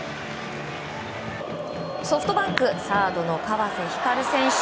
ソフトバンクサードの川瀬晃選手。